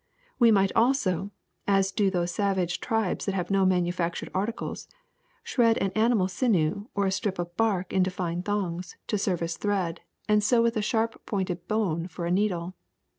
We might also, as do those savage tribes that have no manufactured articles, shred an animal sinew or a strip of bark into fine thongs to serve as thread and sew with a sharp pointed bone for a needle.